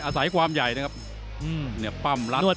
อาศัยความใหญ่นะครับ